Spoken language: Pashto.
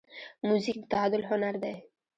موزیک د تعادل هنر دی.